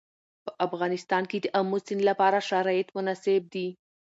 په افغانستان کې د آمو سیند لپاره شرایط مناسب دي.